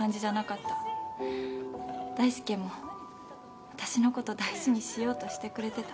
大介も私のこと大事にしようとしてくれてた。